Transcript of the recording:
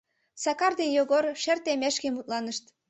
Сакар ден Йогор шер теммешке мутланышт.